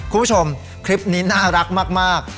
คุณผู้ชมคลิปนี้น่ารักมาก